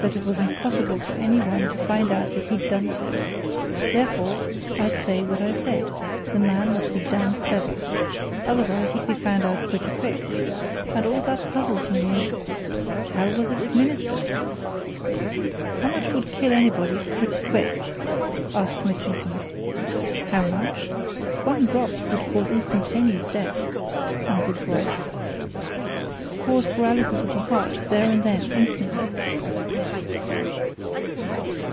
that it was impossible for any one to find out that he'd done so. Therefore, I say what I said the man must be damned clever. Otherwise, he'd be found out pretty quick. And all that puzzles me is how was it administered?" "How much would kill anybody pretty quick?" asked Mitchington. "How much? One drop would cause instantaneous death!" answered Bryce. "Cause paralysis of the heart, there and then, instantly!"